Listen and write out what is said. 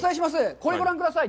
これ、ご覧ください。